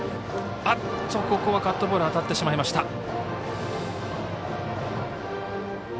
ここはカットボール当たってしまいました。